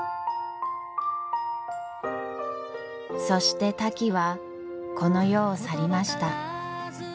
そしてタキはこの世を去りました。